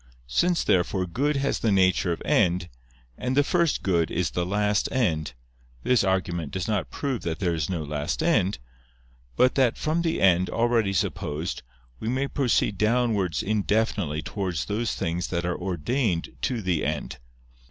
Since, therefore, good has the nature of end, and the first good is the last end, this argument does not prove that there is no last end; but that from the end, already supposed, we may proceed downwards indefinitely towards those things that are ordained to the end.